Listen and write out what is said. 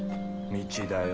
道だよ。